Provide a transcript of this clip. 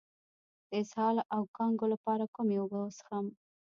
د اسهال او کانګو لپاره کومې اوبه وڅښم؟